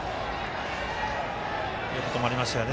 よく止まりましたね